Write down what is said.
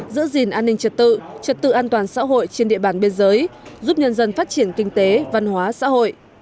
giữ gìn an ninh trật tự trật tự an toàn xã hội trên địa bàn biên giới giúp nhân dân phát triển kinh tế văn hóa xã hội